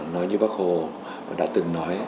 nói như bác hồ đã từng nói